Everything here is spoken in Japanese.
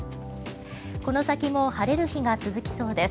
この先も晴れる日が続きそうです。